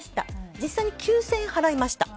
実際に９０００円払いました。